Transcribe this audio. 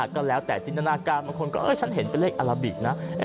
ก็แล้วแต่จินตนาการบางคนก็ฉันเห็นเป็นเลขอาราบิกนะ